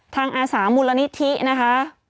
อาสามูลนิธินะคะ